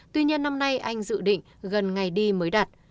tuy nhiên năm nay anh dự định gần ngày đi mới đặt